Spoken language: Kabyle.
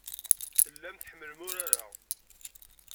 Tellam tḥemmlem urar-a.